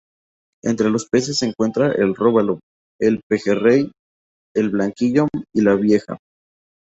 Entre los peces se encuentran el róbalo, el pejerrey, el blanquillo y la vieja.